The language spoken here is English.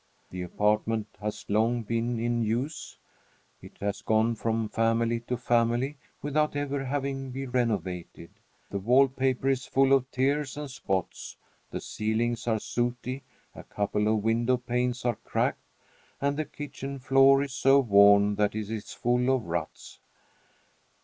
The apartment has long been in use; it has gone from family to family, without ever having been renovated. The wall paper is full of tears and spots; the ceilings are sooty; a couple of window panes are cracked, and the kitchen floor is so worn that it is full of ruts.